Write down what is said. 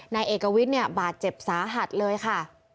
นายเอกวิทย์เนี่ยบาดเจ็บสาหัสเลยค่ะ